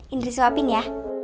indri swapping ya